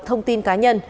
thông tin cá nhân